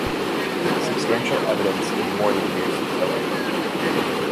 Substantial evidence is more than a mere scintilla.